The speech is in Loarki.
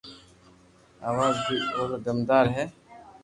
آواز بي او رو دمدار ھي